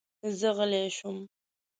زه غلی شوم.